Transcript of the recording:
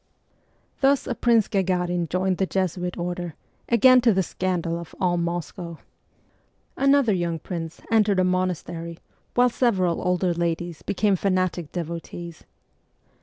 Thus a Prince Gagarin joined the Jesuit order, again to the scandal of ' all 38 MEMOIRS OF A REVOLUTIONIST Moscow,' another young prince entered a monastery, while several older ladies became fanatic devotees.